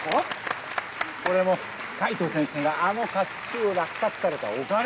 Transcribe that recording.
これも海藤先生があの甲冑を落札されたおかげです。